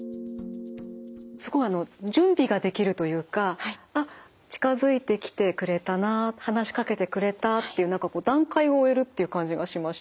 すごいあの準備ができるというかあっ近づいてきてくれたな話しかけてくれたっていう何かこう段階を追えるっていう感じがしました。